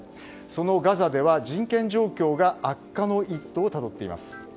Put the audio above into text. そのガザでは人権状況が悪化の一途をたどっています。